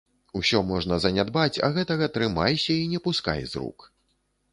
Усё можна занядбаць, а гэтага трымайся і не пускай з рук.